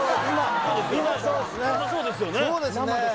今そうですよね？